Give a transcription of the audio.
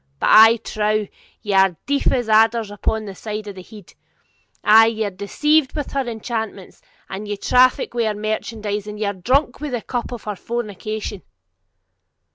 But, I trow, ye are deaf as adders upon that side of the head; ay, ye are deceived with her enchantments, and ye traffic with her merchandise, and ye are drunk with the cup of her fornication!'